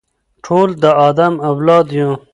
ټول د آدم اولاد یو.